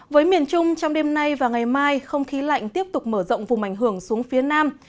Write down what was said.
với miền trung trong đêm nay và ngày mai không khí lạnh tiếp tục mở rộng vùng ảnh hưởng xuống phía nam